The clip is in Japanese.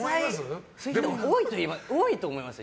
実際、多いと思いますよ。